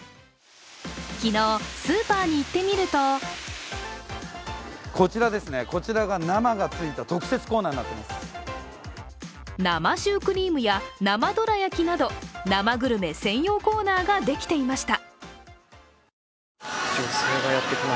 昨日、スーパーに行ってみると生シュークリームや生どら焼きなど、生グルメ専用コーナーができていました。